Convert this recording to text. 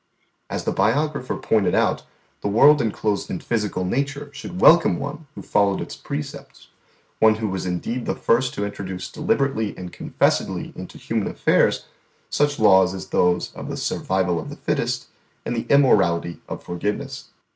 As the biographer pointed out, the world enclosed in physical nature should welcome one who followed its precepts, one who was indeed the first to introduce deliberately and confessedly into human affairs such laws as those of the Survival of the Fittest and the immorality of forgiveness.